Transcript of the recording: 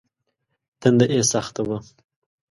تنده يې سخته وه.